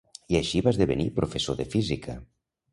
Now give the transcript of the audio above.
I així va esdevenir professor de física.